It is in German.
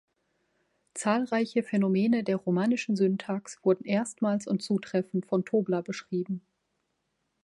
Zahlreiche Phänomene der romanischen Syntax wurden erstmals und zutreffend von Tobler beschrieben.